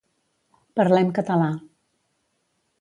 Parlem català.